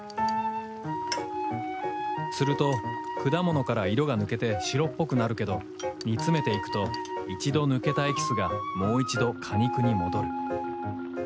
すると果物から色が抜けて白っぽくなるけど煮詰めていくと一度抜けたエキスがもう一度果肉に戻る